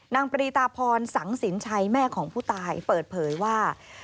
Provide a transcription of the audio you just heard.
ปรีตาพรสังสินชัยแม่ของผู้ตายเปิดเผยว่า